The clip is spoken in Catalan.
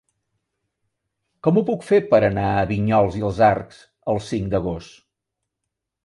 Com ho puc fer per anar a Vinyols i els Arcs el cinc d'agost?